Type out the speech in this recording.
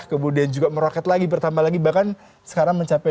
kemudian juga meroket lagi bertambah lagi bahkan sekarang mencapai